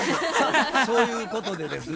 そういうことでですね